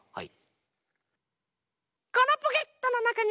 はい。